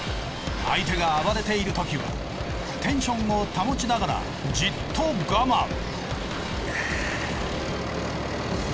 相手が暴れている時はテンションを保ちながらじっと我慢。